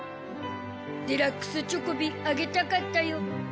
デラックスチョコビあげたかったよ。